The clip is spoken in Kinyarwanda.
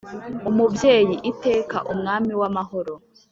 Umubyeyi iteka, Umwami w’amahoro.»